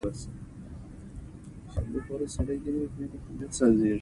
زه د یوه ټکسي پر مټ هوټل ته راستون شوم.